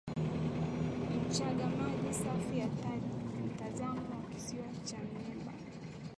Mchanga maji safi ya taji na mtazamo wa kisiwa cha Mnemba